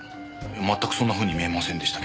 全くそんなふうに見えませんでしたけど。